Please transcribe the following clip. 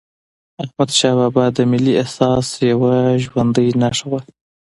احمدشاه بابا د ملي احساس یوه ژوندي نښه وه.